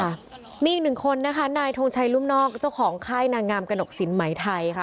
มีอีกหนึ่งคนนะคะนายทงชัยรุ่มนอกเจ้าของค่ายนางงามกระหนกสินไหมไทยค่ะ